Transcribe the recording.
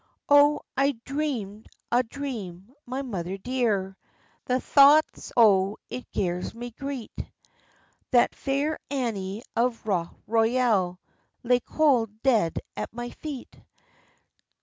"O I dreamd a dream, my mother dear, The thoughts o' it gars me greet, That Fair Annie of Rough Royal Lay cauld dead at my feet."